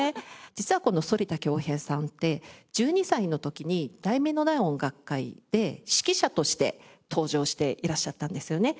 実はこの反田恭平さんって１２歳の時に『題名のない音楽会』で指揮者として登場していらっしゃったんですよね。